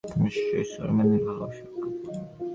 অবশ্যই, সুপারম্যানের ভালোবাসার কুকুর।